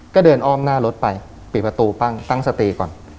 ก็เดินอ้อมหน้ารถไปปิดประตูปั้งตั้งสติก่อน